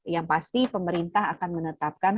yang pasti pemerintah akan menetapkan